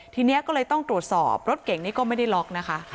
ทีนี้ก็เลยต้องตรวจสอบรถเก่งนี้ก็ไม่ได้ล็อกนะคะ